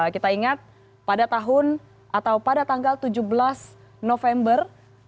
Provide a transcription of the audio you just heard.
kita ingat pada tahun atau pada tanggal tujuh belas november dua ribu tiga belas